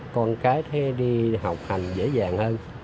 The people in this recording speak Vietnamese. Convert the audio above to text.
con cái đi học hành dễ dàng hơn